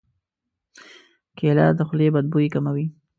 کېله د خولې بد بوی کموي.